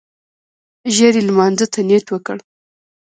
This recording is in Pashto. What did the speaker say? ژر يې لمانځه ته نيت وکړ.